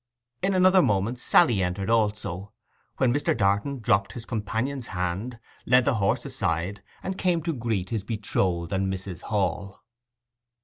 In another moment Sally entered also, when Mr. Darton dropped his companion's hand, led the horse aside, and came to greet his betrothed and Mrs. Hall.